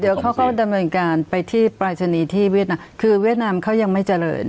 เดี๋ยวเขาก็ดำเนินการไปที่ปรายศนีย์ที่เวียดนามคือเวียดนามเขายังไม่เจริญ